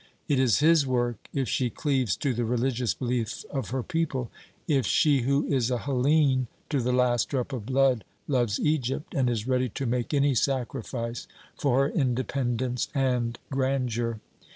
It is his work if she cleaves to the religious belief of her people, if she who is a Hellene to the last drop of blood loves Egypt, and is ready to make any sacrifice for her independence and grandeur.